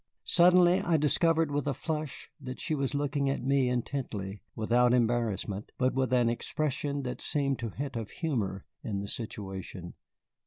Suddenly I discovered with a flush that she was looking at me intently, without embarrassment, but with an expression that seemed to hint of humor in the situation.